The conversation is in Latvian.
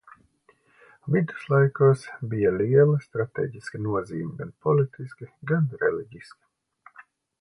Viduslaikos bija liela stratēģiska nozīme gan politiski, gan reliģiski.